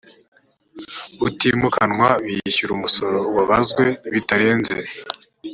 utimukanwa yishyura umusoro wabazwe bitarenze